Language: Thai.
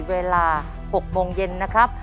เวลา๖โมงเย็นนะครับ